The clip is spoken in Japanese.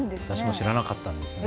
知らなかったんです。